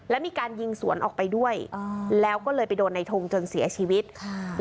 แล้วมีการยิงสวนออกไปด้วยอ่าแล้วก็เลยไปโดนในทงจนเสียชีวิตค่ะ